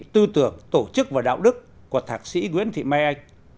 tư tưởng tổ chức và đạo đức của thạc sĩ nguyễn thị mai anh